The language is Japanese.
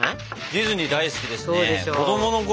ディズニー大好きですね。